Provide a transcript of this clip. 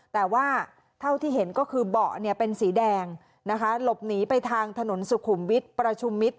แต่ว่าเท่าที่เห็นก็คือเบาะเนี่ยเป็นสีแดงนะคะหลบหนีไปทางถนนสุขุมวิทย์ประชุมมิตร